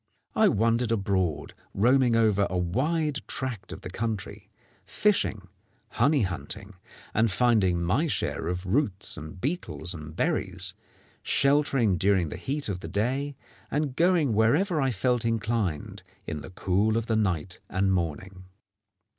I wandered abroad, roaming over a wide tract of country, fishing, honey hunting, and finding my share of roots and beetles and berries, sheltering during the heat of the day, and going wherever I felt inclined in the cool of the night and morning.